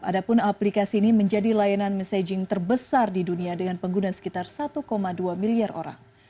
adapun aplikasi ini menjadi layanan messaging terbesar di dunia dengan penggunaan sekitar satu dua miliar orang